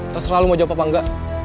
terserah lu mau jawab apa engga